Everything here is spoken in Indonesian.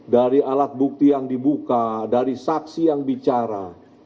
dari alat bukti yang dibuka dari saksi yang bicara